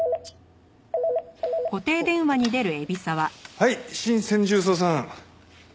はい新専従捜査班。